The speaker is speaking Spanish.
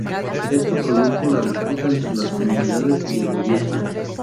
Esto produjo la disputa entre las comunidades y el gobierno.